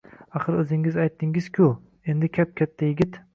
Axir oʻzingiz aytdingiz-kuu endi kap-katta yigit